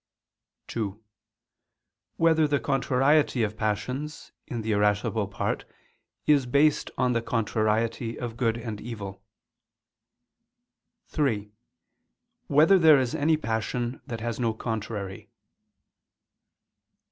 (2) Whether the contrariety of passions in the irascible part is based on the contrariety of good and evil? (3) Whether there is any passion that has no contrary?